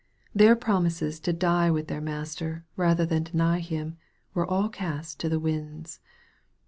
Their promises to die with their Master, rather than deny Him, were all cast to the winds.